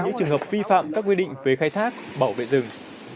những trường hợp vi phạm các quy định về khai thác bảo vệ rừng